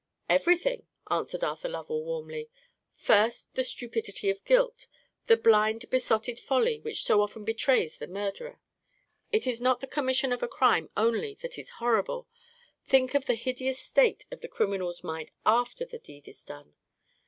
"Everything," answered Arthur Lovell, warmly. "First, the stupidity of guilt, the blind besotted folly which so often betrays the murderer. It is not the commission of a crime only that is horrible; think of the hideous state of the criminal's mind after the deed is done.